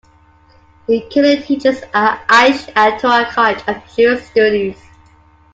He currently teaches at Aish HaTorah College of Jewish Studies.